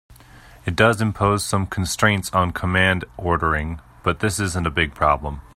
It does impose some constraints on command ordering, but this isn't a big problem.